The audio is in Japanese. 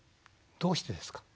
どうしてですか？